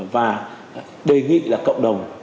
và đề nghị là cộng đồng